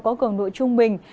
có cường độ trung bình